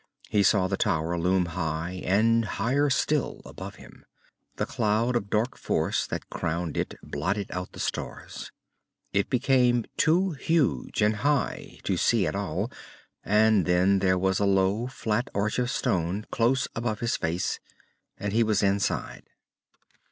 He saw the tower loom high and higher still above him. The cloud of dark force that crowned it blotted out the stars. It became too huge and high to see at all, and then there was a low flat arch of stone close above his face, and he was inside.